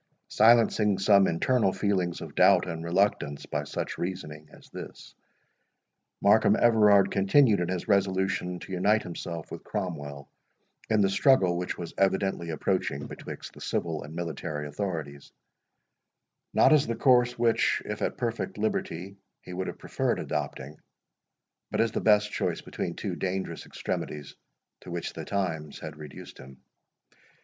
Silencing some internal feelings of doubt and reluctance by such reasoning as this, Markham Everard continued in his resolution to unite himself with Cromwell in the struggle which was evidently approaching betwixt the civil and military authorities; not as the course which, if at perfect liberty, he would have preferred adopting, but as the best choice between two dangerous extremities to which the times had reduced him.